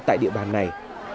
tại địa bàn này